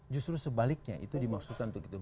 justru sebaliknya itu dimaksudkan gitu